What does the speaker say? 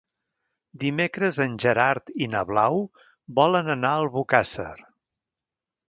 Dimecres en Gerard i na Blau volen anar a Albocàsser.